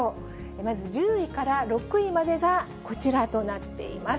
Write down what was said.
まず１０位から６位までがこちらとなっています。